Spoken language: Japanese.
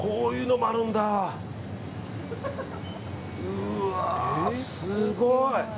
うわ、すごい！